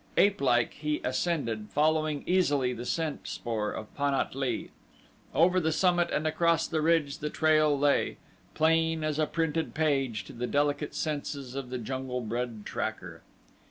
Apelike he ascended, following easily the scent spoor of Pan at lee. Over the summit and across the ridge the trail lay, plain as a printed page to the delicate senses of the jungle bred tracker.